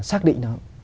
xác định nó